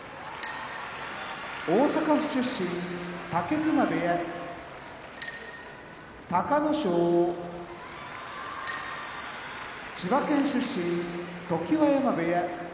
大阪府出身武隈部屋隆の勝千葉県出身常盤山部屋